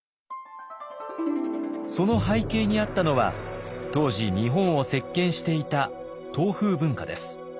その背景にあったのは当時日本を席巻していた唐風文化です。